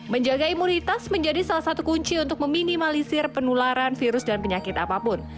menjaga imunitas menjadi salah satu kunci untuk meminimalisir penularan virus dan penyakit apapun